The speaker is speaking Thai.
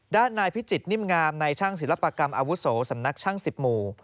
ด้านนายพิจิตรนิ่มงามในช่างศิลปกรรมอาวุโสสำนักช่าง๑๐หมู่